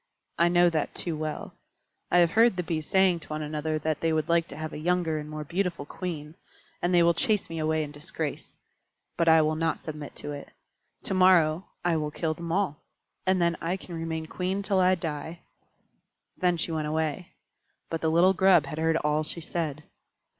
I know that too well. I have heard the Bees saying to one another that they would like to have a younger and more beautiful Queen, and they will chase me away in disgrace. But I will not submit to it. To morrow I will kill them all; then I can remain Queen till I die." Then she went away. But the little Grub had heard all she said.